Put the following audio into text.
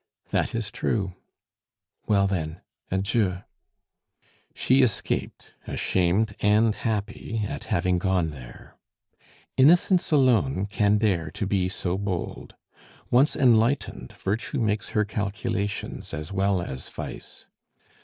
"That is true." "Well, then, adieu!" She escaped, ashamed and happy at having gone there. Innocence alone can dare to be so bold. Once enlightened, virtue makes her calculations as well as vice.